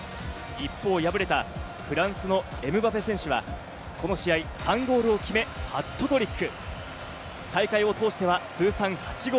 一方、敗れたフランスのエムバペ選手は、この試合、３ゴールを決め、ハットトリック。